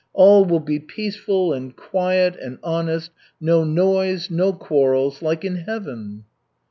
All will be peaceful and quiet and honest; no noise, no quarrels like in Heaven."